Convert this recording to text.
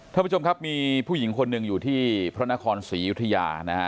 ท่านผู้ชมครับมีผู้หญิงคนหนึ่งอยู่ที่พระนครศรียุธยานะฮะ